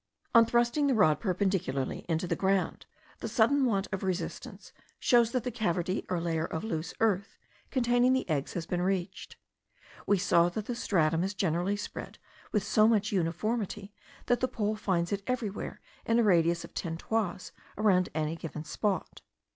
On thrusting the rod perpendicularly into the ground, the sudden want of resistance shows that the cavity or layer of loose earth containing the eggs, has been reached. We saw that the stratum is generally spread with so much uniformity, that the pole finds it everywhere in a radius of ten toises around any given spot.